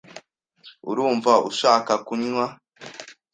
Urumva ushaka kunywa?